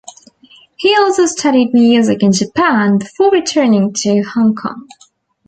He also studied music in Japan before returning to Hong Kong.